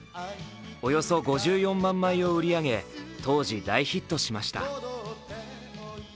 およそ５４万枚を売り上げ当時、大ヒットしました。